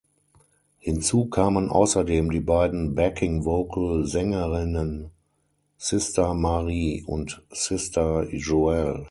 Hinzu kamen außerdem die beiden Backing Vocal-Sängerinnen Sista Marie und Sista Joelle.